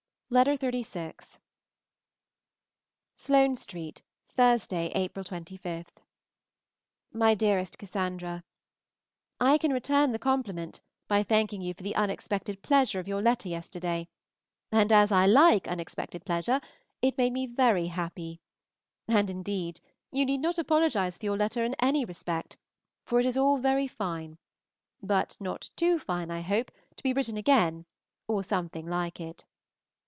Miss AUSTEN, EDWARD AUSTEN'S, Esq., Godmersham Park, Faversham, Kent. XXXVI. SLOANE ST., Thursday (April 25). MY DEAREST CASSANDRA, I can return the compliment by thanking you for the unexpected pleasure of your letter yesterday, and as I like unexpected pleasure, it made me very happy; and, indeed, you need not apologize for your letter in any respect, for it is all very fine, but not too fine, I hope, to be written again, or something like it.